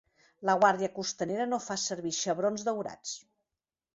La Guàrdia Costanera no fa servir xebrons daurats.